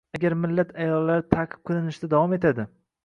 Agar millat ayollari ta'qib qilinishda davom etadi